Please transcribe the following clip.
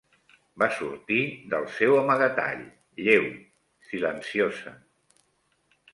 Va sortir del seu amagatall, lleu, silenciosa